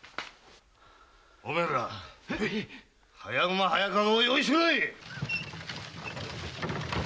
おめえら早馬早駕籠を用意しろっ！